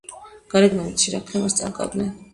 გარეგნობით სირაქლემას წააგავდნენ.